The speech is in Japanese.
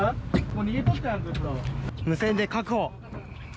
無線で確保。